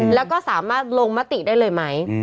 แล้วก็สามารถลงมติได้เลยไหม